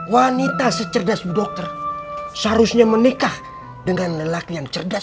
wanita secerdas dokter seharusnya menikah dengan lelaki yang cerdas